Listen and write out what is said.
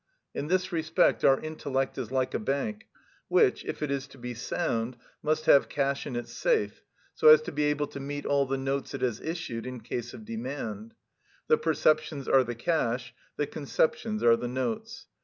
In this respect our intellect is like a bank, which, if it is to be sound, must have cash in its safe, so as to be able to meet all the notes it has issued, in case of demand; the perceptions are the cash, the conceptions are the notes.